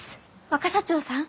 若社長さん？